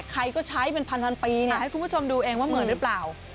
ใครก็ใช้เป็นพันปีให้คุณผู้ชมดูเองว่าเหมือนหรือเปล่า